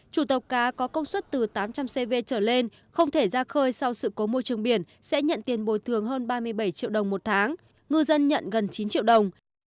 chủ tàu cá có công suất từ tám trăm linh cv trở lên không thể ra khơi sau sự cố môi trường biển sẽ nhận tiền bồi thường hơn ba mươi bảy triệu đồng một tháng ngư dân nhận gần chín triệu đồng